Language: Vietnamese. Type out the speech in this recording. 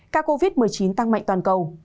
covid một mươi chín tăng mạnh toàn cầu